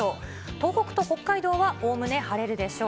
東北と北海道はおおむね晴れるでしょう。